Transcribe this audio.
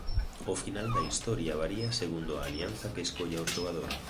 O final da historia varía segundo a alianza que escolla o xogador.